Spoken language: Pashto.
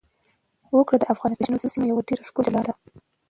وګړي د افغانستان د شنو سیمو یوه ډېره ښکلې ښکلا ده.